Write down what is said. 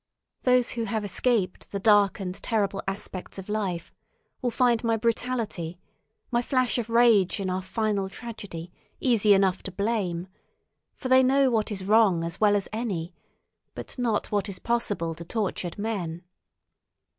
Those who have escaped the dark and terrible aspects of life will find my brutality, my flash of rage in our final tragedy, easy enough to blame; for they know what is wrong as well as any, but not what is possible to tortured men.